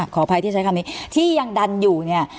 ขออภัยที่ใช้คำนี้ที่ยังดันอยู่เนี่ย